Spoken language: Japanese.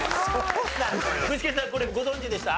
具志堅さんこれご存じでした？